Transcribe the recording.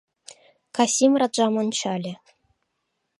Касим раджам ончале.